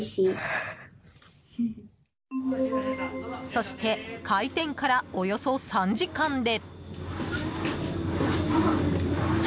そして、開店からおよそ３時間で。